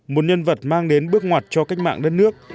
một nhân vật mang đến bước ngoặt cho cách mạng đất nước